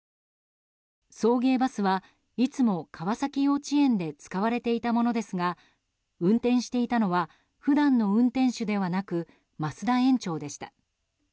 送迎バスはいつも川崎幼稚園で使われていたものですが運転していたのは普段の運転手ではなく増田園長でした。